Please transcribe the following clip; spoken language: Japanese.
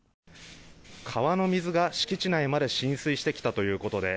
川の水が敷地内まで浸水してきたということで